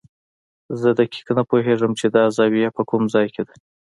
زه دقیق نه پوهېږم چې دا زاویه په کوم ځای کې ده.